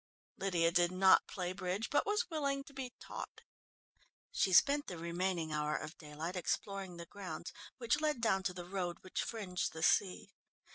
Lydia did not play bridge, but was willing to be taught. She spent the remaining hour of daylight exploring the grounds which led down to the road which fringed the sea.